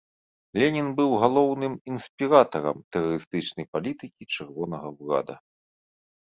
Ленін быў галоўным інспіратарам тэрарыстычнай палітыкі чырвонага ўрада.